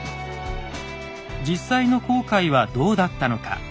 実際の航海はどうだったのか。